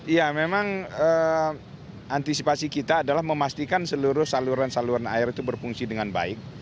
ya memang antisipasi kita adalah memastikan seluruh saluran saluran air itu berfungsi dengan baik